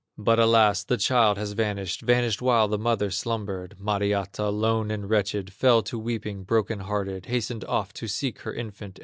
But alas! the child has vanished, Vanished while the mother slumbered. Mariatta, lone and wretched, Fell to weeping, broken hearted, Hastened off to seek her infant.